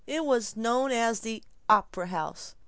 It was known as the "op'ra house."